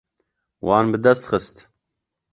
Wan bi dest xist.